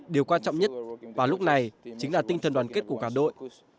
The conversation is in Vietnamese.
điều quan trọng nhất và lúc này chính là tinh thần đoàn kết của cả đội